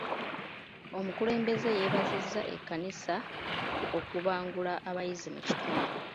Omukulembeze yeebazizza ekkanisa okubangula abayizi mu kitundu.